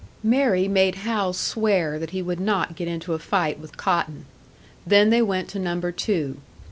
Mary made Hal swear that he would not get into a fight with Cotton; then they went to Number Two.